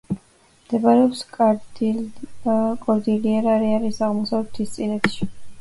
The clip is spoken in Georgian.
მდებარეობს კორდილიერა-რეალის აღმოსავლეთ მთისწინეთში, ტიტიკაკას ტბის აღმოსავლეთით.